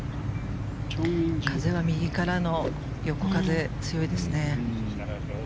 風は右からの横風強いですね。